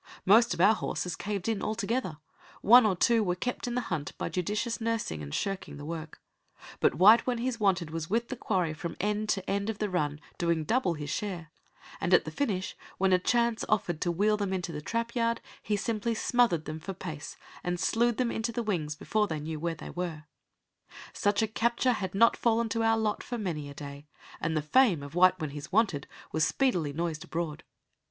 Most of our horses caved in altogether; one or two were kept in the hunt by judicious nursing and shirking the work; but White when he's wanted was with the quarry from end to end of the run, doing double his share; and at the finish, when a chance offered to wheel them into the trapyard, he simply smothered them for pace, and slewed them into the wings before they knew where they were. Such a capture had not fallen to our lot for many a day, and the fame of White when he's wanted was speedily noised abroad.